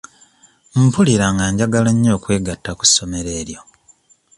Mpulira nga njagala nnyo okwegatta ku ssomero eryo.